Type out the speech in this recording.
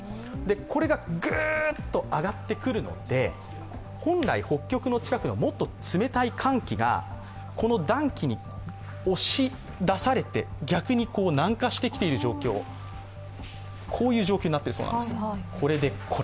これがグーッと上がってくるので本来、北極の近くのもっと冷たい寒気がこの暖気に押し出されて逆に南下してきている状況になっているそうなんです。